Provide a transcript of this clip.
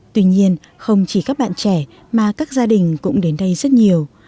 tuy nhiên không chỉ các bạn trẻ mà các gia đình cũng đến đây rất nhiều